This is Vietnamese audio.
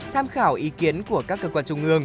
tham khảo ý kiến của các cơ quan